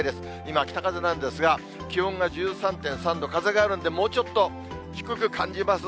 今、北風なんですが、気温が１３．３度、風があるんで、もうちょっと低く感じます。